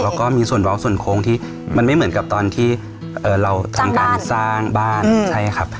แล้วก็มีส่วนบล็อกส่วนโค้งที่มันไม่เหมือนกับตอนที่เราทำการสร้างบ้านใช่ครับ